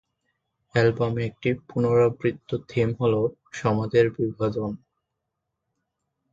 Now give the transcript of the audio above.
অ্যালবামে আরেকটি পুনরাবৃত্ত থিম হল সমাজের বিভাজন।